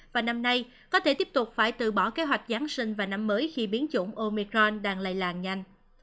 và năm nay có thể tiếp tục phải tự bỏ kế hoạch giáng sinh và năm mới khi biến chủng omicron đang lây làn nhanh